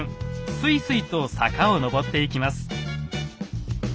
スイスイと坂を上っていきます。